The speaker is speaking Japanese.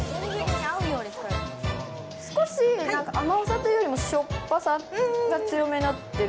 少しなんか甘さというよりもしょっぱさが強めになってる。